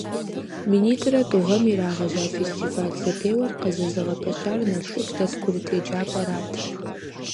Минитӏрэ тӏу гъэм ирагъэжьа фестиваль-зэпеуэр къызэзыгъэпэщар Налшык дэт курыт еджапӏэрат.